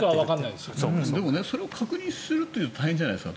でもそれを確認するのは大変じゃないですか。